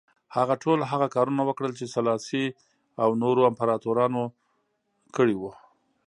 هغه ټول هغه کارونه وکړل چې سلاسي او نورو امپراتورانو کړي وو.